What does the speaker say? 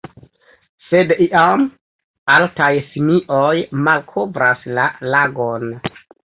Sed iam, altaj simioj malkovras la lagon.